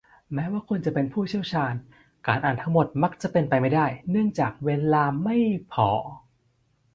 แม้ว่าคุณจะเป็นผู้เชี่ยวชาญ การอ่านทั้งหมดมักจะเป็นไปไม่ได้เนื่องจากเวลาไม่พอ